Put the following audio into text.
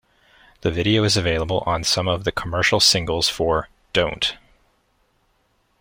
The video is available on some of the commercial singles for "Don't!".